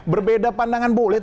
berbeda pandangan boleh